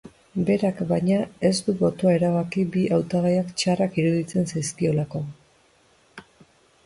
Berak, baina, ez du botoa erabaki bi hautagaiak txarrak iruditzen zaizkiolako.